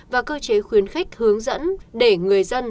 và cơ chế khuyến khích hướng dẫn để người dân